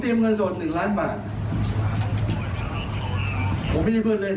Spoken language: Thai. แล้วผมเตรียมเงินสดหนึ่งล้านบาทผมไม่ได้เพื่อนเล่น